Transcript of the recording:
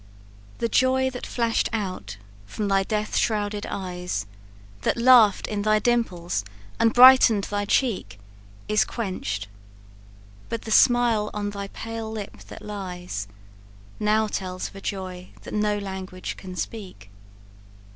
"The joy that flash'd out from thy death shrouded eyes, That laugh'd in thy dimples, and brighten'd thy cheek, Is quench'd but the smile on thy pale lip that lies, Now tells of a joy that no language can speak.